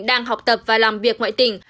đang học tập và làm việc ngoại tỉnh